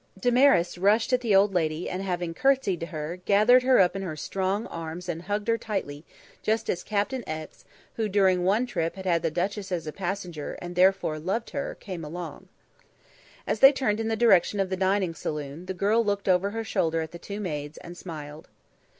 Damaris rushed at the old lady, and having curtsied to her, gathered her up in her strong arms and hugged her tightly, just as Captain X, who during one trip had had the duchess as passenger and therefore loved her, came along. As they turned in the direction of the dining saloon, the girl looked over her shoulder at the two maids, and smiled.